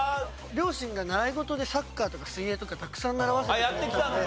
両親が習い事でサッカーとか水泳とかたくさん習わせてくれたので。